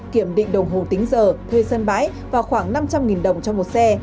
kiểm định đồng hồ tính giờ thuê sân bãi vào khoảng năm trăm linh đồng cho một xe